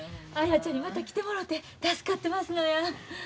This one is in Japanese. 綾ちゃんにまた来てもろて助かってますのや。